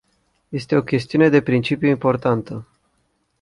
Este o chestiune de principiu importantă.